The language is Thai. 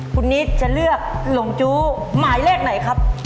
คุณนิดจะเลือกหลงจู้หมายเลขไหนครับ